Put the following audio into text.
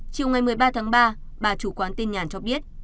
chiều ngày một mươi ba tháng ba bà chủ quán tin nhàn cho biết